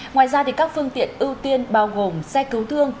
ngoài ra các phương tiện ưu tiên bao gồm xe cứu thương